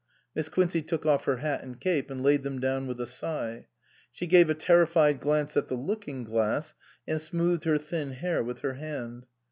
Miss Quincey took off her hat and cape and laid them down with a sigh. She gave a terri fied glance at the looking glass and smoothed her thin hair with her hand.